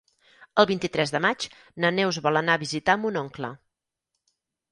El vint-i-tres de maig na Neus vol anar a visitar mon oncle.